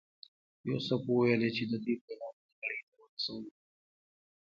یوسف وویل چې د دوی پیغامونه نړۍ ته ورسوو.